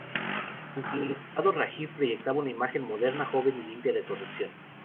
Ante el electorado, Rajiv proyectaba una imagen moderna, joven y limpia de corrupción.